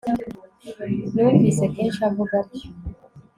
Numvise kenshi avuga atyo